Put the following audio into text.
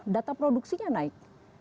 data produksinya naik